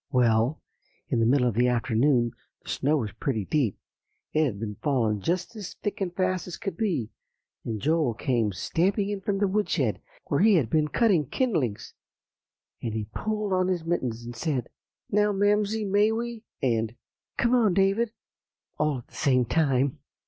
"Well, in the middle of the afternoon the snow was pretty deep; it had been falling just as thick and fast as could be, and Joel came stamping in from the woodshed, where he had been cutting kindlings, and he pulled on his mittens, and said, 'Now, Mamsie, may we?' and 'Come on, David' all at the same time."